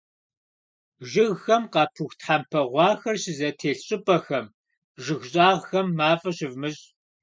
Жыгхэм къапыху тхьэмпэ гъуахэр щызэтелъ щӀыпӀэхэм, жыг щӀагъхэм мафӀэ щывмыщӀ.